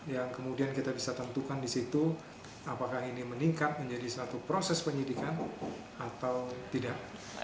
yang kemudian kita bisa tentukan di situ apakah ini meningkat menjadi satu proses penyidikan atau tidak